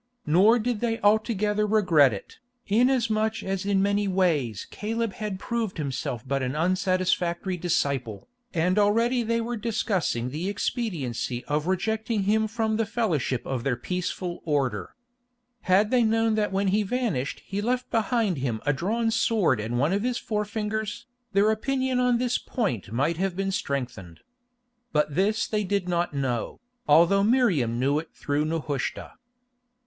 Nor did they altogether regret it, inasmuch as in many ways Caleb had proved himself but an unsatisfactory disciple, and already they were discussing the expediency of rejecting him from the fellowship of their peaceful order. Had they known that when he vanished he left behind him a drawn sword and one of his forefingers, their opinion on this point might have been strengthened. But this they did not know, although Miriam knew it through Nehushta.